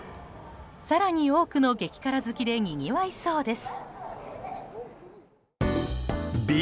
更に多くの激辛好きでにぎわいそうです。